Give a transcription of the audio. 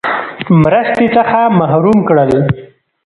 مرستې څخه محروم کړل.